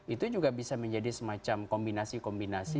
itu juga bisa menjadi semacam kombinasi kombinasi